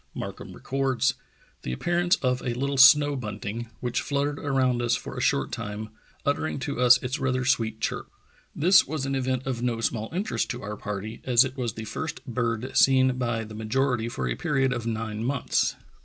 Markham records: "The appearance of a little snow bunting, which fluttered ^around us for a short time, uttering to us its rather sweet chirp. This was an event of no small interest to our party, as it was the first bird seen by the major ity for a period of nine months.